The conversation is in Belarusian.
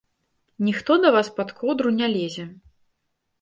Ніхто да вас пад коўдру не лезе.